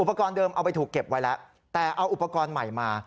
อุปกรณ์เดิมเอาไปถูกเก็บไว้แล้วแต่เอาอุปกรณ์ใหม่มา